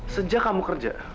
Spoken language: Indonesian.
sejak kamu kerja